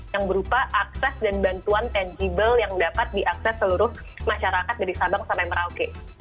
yang berupa akses dan bantuan tangible yang dapat diakses seluruh masyarakat dari sabang sampai merauke